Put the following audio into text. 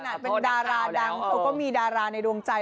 เป็นดาราดังเขาก็มีดาราในดวงใจ